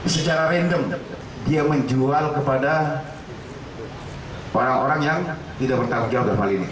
secara random dia menjual kepada orang orang yang tidak bertanggung jawab dalam hal ini